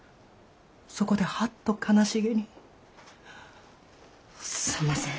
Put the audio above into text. そこではっと悲しげに「すんません。